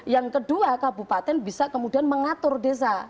yang kedua kabupaten bisa kemudian mengatur desa